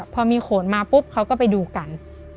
พอมีโขนมาปุ๊บเขาก็ไปดูกัน